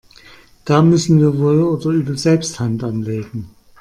Da müssen wir wohl oder übel selbst Hand anlegen.